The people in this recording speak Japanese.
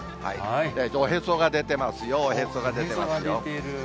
おへそが出てますよ、おへそが出てる。